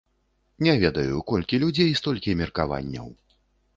Не ведаю, колькі людзей, столькі меркаванняў.